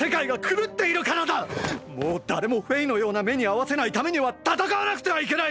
もう誰もフェイのような目に遭わせないためには戦わなくてはいけない！！